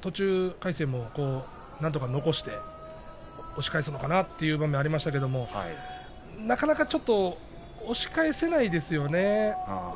途中、魁聖もなんとか残して押し返すのかなという場面もありましたがなかなか押し返せないですね。